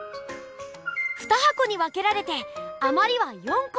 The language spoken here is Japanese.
２はこに分けられてあまりは４こ！